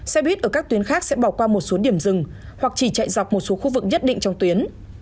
xe buýt ở các tuyến khác sẽ bỏ qua một số điểm rừng hoặc chỉ chạy dọc một số khu vực nhất định trong tuyến